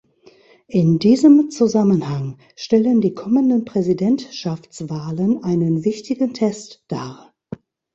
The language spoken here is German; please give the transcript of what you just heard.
In diesem Zusammenhang stellen die kommenden Präsidentschaftswahlen einen wichtigen Test dar.